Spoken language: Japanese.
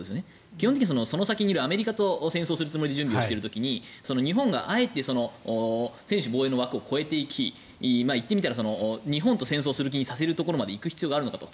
基本的にはその先にいるアメリカと戦争をするつもりで準備をしている時に日本があえて、専守防衛の枠を超えていきいってみたら日本と戦争する気にさせるところまで行く必要があるのかと。